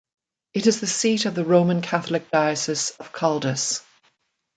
It is the seat of the Roman Catholic Diocese of Caldas.